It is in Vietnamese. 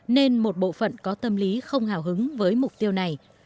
nên một bộ phận có tâm lý không hào hứng với mục tiêu này